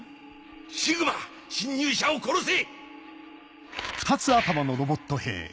シグマ侵入者を殺せ！